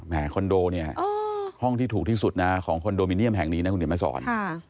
คอนโดเนี่ยห้องที่ถูกที่สุดนะของคอนโดมิเนียมแห่งนี้นะคุณเดี๋ยวมาสอน